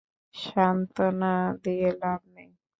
সান্ত্বনা দিয়ে লাভ নেই।